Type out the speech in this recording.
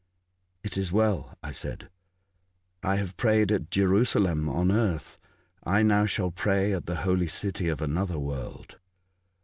"It is well," I said. " I have prayed at Jerusalem, on earth ; I now shall pray at the holy city of another world."